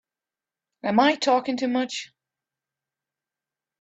Am I talking too much?